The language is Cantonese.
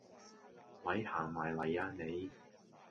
咪行埋嚟呀你